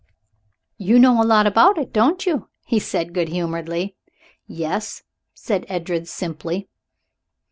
"You know a lot about it, don't you?" he said good humoredly. "Yes," said Edred simply.